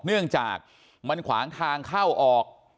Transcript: เนื่องจากมันขวางทางเข้าออก